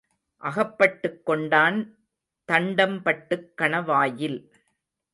அகப்பட்டுக் கொண்டான் தண்டம்பட்டுக் கணவாயில்.